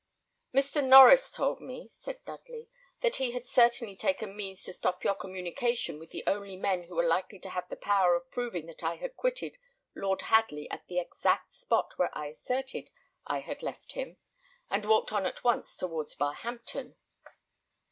"Mr. Norries told me," said Dudley, "that he had certainly taken means to stop your communication with the only men who were likely to have the power of proving that I quitted Lord Hadley at the exact spot where I asserted I had left him, and walked on at once towards Barhampton."